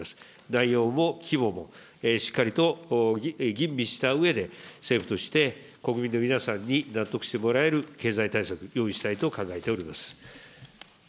内容も規模もしっかりと吟味したうえで、政府として国民の皆さんに納得してもらえる経済対策、用意したいと考えております。